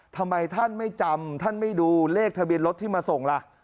ทำไมท่านไม่จำท่านไม่ดูเลขทะเบียนรถที่มาส่งล่ะ